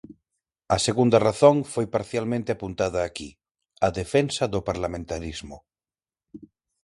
A segunda razón foi parcialmente apuntada aquí: a defensa do parlamentarismo.